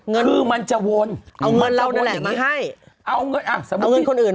คือมันจะโวนเอาเงินเราเนอะแหละ